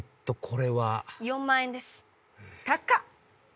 これは４万円です